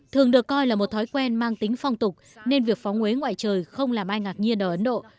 thường được coi là một thói quen mang tính phong tục nên việc phóng huế ngoài trời không làm ai ngạc nhiên ở ấn độ